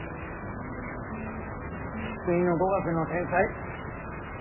生っ粋の語学の天才。